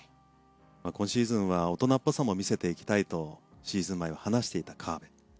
今シーズンは大人っぽさも見せていきたいとシーズン前に話していた河辺。